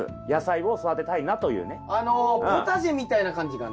あのポタジェみたいな感じかな？